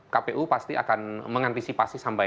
kpu pasti akan mengantisipasi